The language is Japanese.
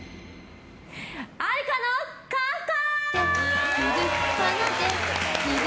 愛花のカフカ！